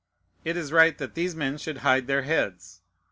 It is right that these men should hide their heads.